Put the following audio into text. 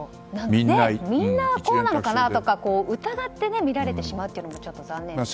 みんなこうなのかなとか疑って見られてしまうのも残念ですね。